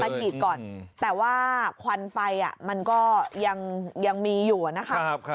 ฉีดก่อนแต่ว่าควันไฟมันก็ยังมีอยู่นะคะ